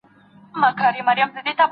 په بل کلي کي د دې سړي یو یار وو